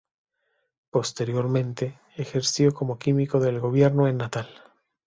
Posteriormente ejerció como químico del gobierno en Natal.